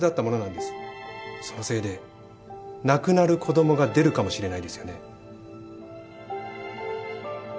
そのせいで亡くなる子供が出るかもしれないですよね。